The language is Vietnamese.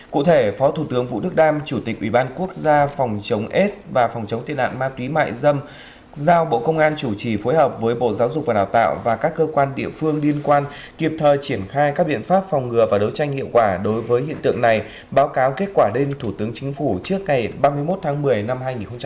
cụ thể phó thủ tướng vũ đức đam chủ tịch ủy ban quốc gia phòng chống aids và phòng chống tiên nạn ma túy mại dâm giao bộ công an chủ trì phối hợp với bộ giáo dục và đào tạo và các cơ quan địa phương liên quan kịp thời triển khai các biện pháp phòng ngừa và đấu tranh hiệu quả đối với hiện tượng này báo cáo kết quả lên thủ tướng chính phủ trước ngày ba mươi một tháng một mươi năm hai nghìn hai mươi